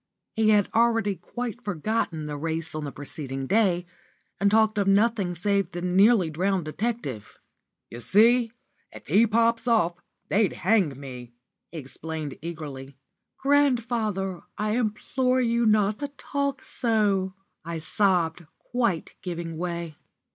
He had already quite forgotten the race on the preceding day, and talked of nothing save the nearly drowned detective. "You see, if he pops off, they'd hang me," he explained eagerly. "Grandfather, I implore you not to talk so," I sobbed, quite giving way.